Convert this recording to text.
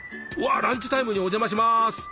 うわランチタイムにお邪魔します。